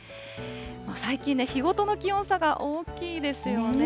最近ね、日ごとの気温差が大きいですよね。